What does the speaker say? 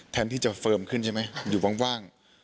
แทนที่จะเฟิร์มขึ้นใช่ไหมอยู่ว่าง